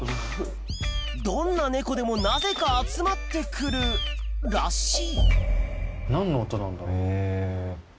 どんな猫でもなぜか集まって来るらしい